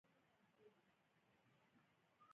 قرآن د رسول الله ص معجزه وه .